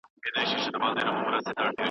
چې ما ويلی خدای منلی